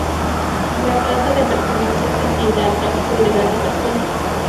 La trata de personas es distinta al tráfico ilegal de personas.